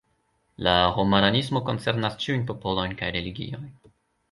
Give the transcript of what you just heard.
La homaranismo koncernas ĉiujn popolojn kaj religiojn.